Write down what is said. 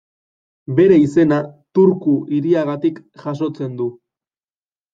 Bere izena Turku hiriagatik jasotzen du.